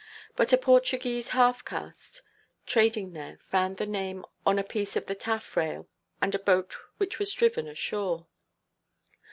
But a Portuguese half–caste, trading there, found the name on a piece of the taffrail, and a boat which was driven ashore.